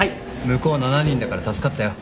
向こう７人だから助かったよ。